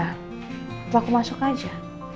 atau aku masuk aja